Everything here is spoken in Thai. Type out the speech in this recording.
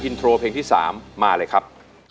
อินโทรเพลงที่๓มาเลยครับ